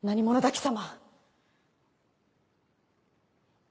貴様。